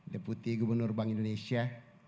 deputi gubernur bank indonesia